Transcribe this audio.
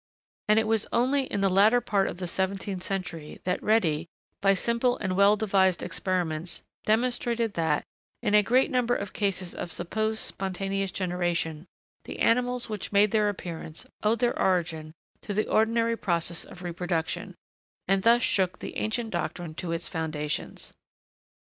And it was only in the latter part of the seventeenth century, that Redi, by simple and well devised experiments, demonstrated that, in a great number of cases of supposed spontaneous generation, the animals which made their appearance owed their origin to the ordinary process of reproduction, and thus shook the ancient doctrine to its foundations.